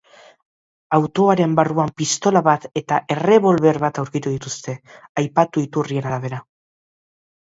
Autoaren barruan pistola bat eta errebolber bat aurkitu dituzte, aipatu iturrien arabera.